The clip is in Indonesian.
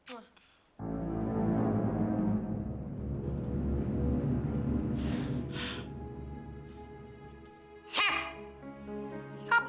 oke deh sayang take care ya babe